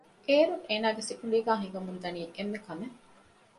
އޭރުގެ އޭނަގެ ސިކުޑީގައި ހިނގަމުންދަނީ އެންމެ ކަމެއް